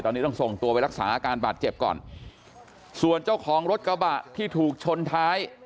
ตอนนี้ต้องส่งตัวไปรักษาอาการบาดเจ็บก่อนส่วนเจ้าของรถกระบะที่ถูกชนท้าย